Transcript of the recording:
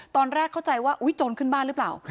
ตอนแรกเข้าใจว่าอุ๊ยโจรขึ้นบ้านหรือเปล่า